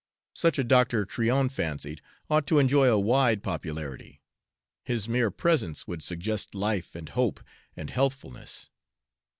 Such a doctor, Tryon fancied, ought to enjoy a wide popularity. His mere presence would suggest life and hope and healthfulness.